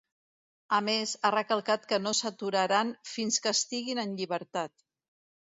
A més, ha recalcat que no s’aturaran ‘fins que estiguin en llibertat’.